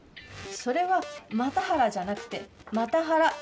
それは又原じゃなくてマタハラ。